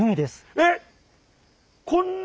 えっ？